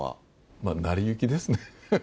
まあ成り行きですね。